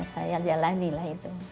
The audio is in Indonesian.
saya jalani lah itu